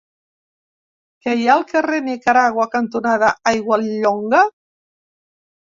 Què hi ha al carrer Nicaragua cantonada Aiguallonga?